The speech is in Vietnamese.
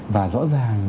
và rõ ràng